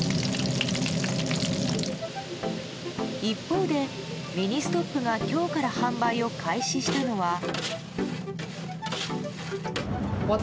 一方、ミニストップが今日から販売を開始したのは。